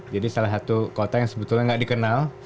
jadi salah satu kota yang sebetulnya gak dikenal